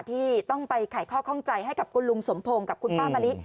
ที่ต้องไปไขข้อข้องใจให้กับคุณลุงสมพงศ์กับคุณป้ามะลิ